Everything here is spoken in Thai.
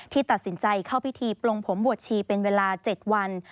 ตัดสินใจเข้าพิธีปลงผมบวชชีเป็นเวลา๗วัน